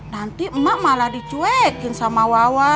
nanti mak malah dicuekin sama wawan